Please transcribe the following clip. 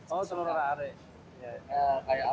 oh telur orang arek